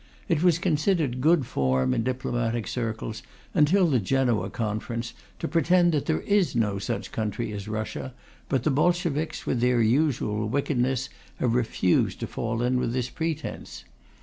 It was considered good form in diplomatic circles, until the Genoa Conference, to pretend that there is no such country as Russia, but the Bolsheviks, with their usual wickedness, have refused to fall in with this pretence.